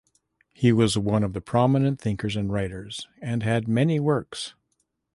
He was one of the prominent thinkers and writers and had many works.